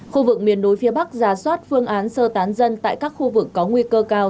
khu vực miền núi phía bắc giả soát phương án sơ tán dân tại các khu vực có nguy cơ cao